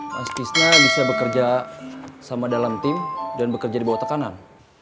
mas kisna bisa bekerja sama dalam tim dan bekerja di bawah tekanan